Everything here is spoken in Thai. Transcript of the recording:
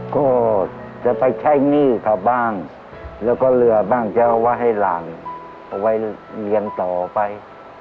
ก็จะไปใช้หนี้เขาบ้างแล้วก็เรือบ้างจะเอาไว้ให้หลานเอาไว้เรียนต่อไป